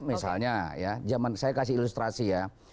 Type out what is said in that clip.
misalnya ya zaman saya kasih ilustrasi ya